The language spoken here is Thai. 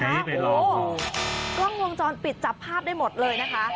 โอ้โหกล้องวงจรปิดจับภาพได้หมดเลยนะคะ